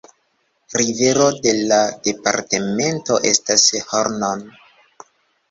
Rivero de la departemento estas Hron.